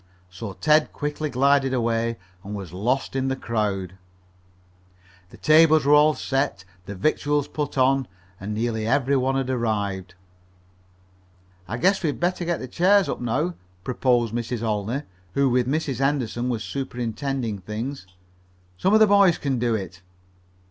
So Ted quickly glided away and was lost in the crowd. The tables were all set, the victuals put on, and nearly every one had arrived. "I guess we'd better get the chairs up now," proposed Mrs. Olney, who with Mrs. Henderson was superintending things. "Some of the boys can do it."